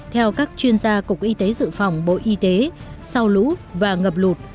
theo các chuyên gia cục y tế dự phòng bộ y tế sau lũ và ngập lụt